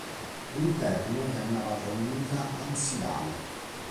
L'interno è a navata unica absidale.